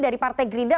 dari partai gerindra